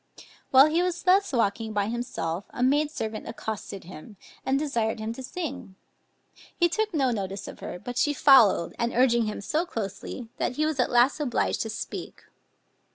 While he was thus walking by himself, a maid servant accosted him, and desired him to sing; he took no notice of her, but she followed and urging him so closely, that he was at last obliged to speak.